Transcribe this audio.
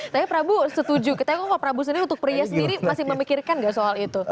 tapi prabu setuju kita pak prabu sendiri untuk pria sendiri masih memikirkan gak soal itu